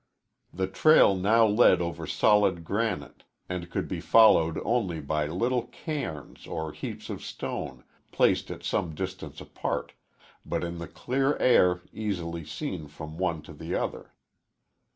The trail now led over solid granite and could be followed only by little cairns or heaps of stone, placed at some distance apart, but in the clear air easily seen from one to the other.